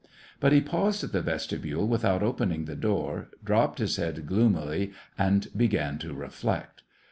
But he paused in the vestibule without opening the door, dropped his head gloomily, and began to reflect.